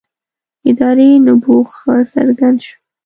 ادارې نبوغ ښه څرګند شو.